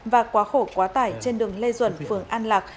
và quá khổ quá tải trên đường lê duẩn phường an lạc